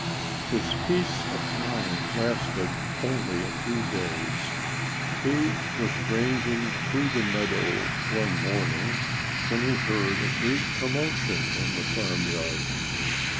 His peace of mind lasted only a few days. He was ranging through the meadow one morning when he heard a great commotion in the farmyard.